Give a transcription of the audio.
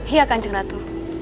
iya kanjeng ratu